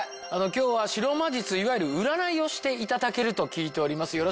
今日は白魔術いわゆる占いをしていただけると聞いております